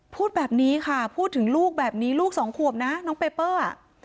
พูดแบบนี้ค่ะพูดถึงลูกแบบนี้ลูกสองขวบนะน้องเปเปอร์อ่ะ